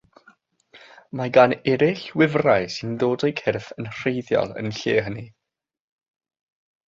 Mae gan eraill wifrau sy'n dod o'u cyrff “yn rheiddiol" yn lle hynny.